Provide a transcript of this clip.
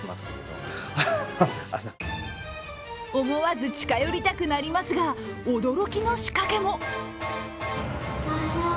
思わず近寄りたくなりますが驚きの仕掛けも。